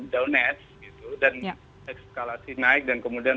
downed dan ekskalasi naik dan kemudian